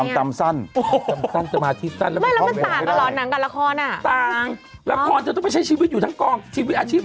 ทำไมต่างกันไง